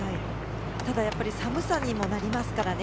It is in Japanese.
ただ、やっぱり寒さにもなりますからね。